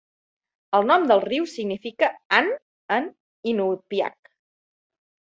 El nom del riu significa "ant" en inupiaq.